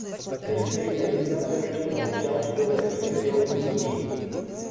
Алексей Александрович промычал что-то и хотел уйти.